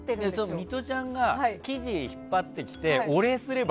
ミトちゃんが記事を引っ張ってきてお礼すれば。